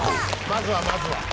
「まずはまずは。